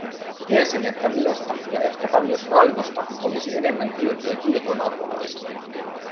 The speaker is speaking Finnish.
Tiesin, että minusta ja ehkäpä myös Raivosta olisi enemmän hyötyä Diegon apulaisena.